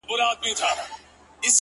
• چي ټوله ورځ ستا د مخ لمر ته ناست وي،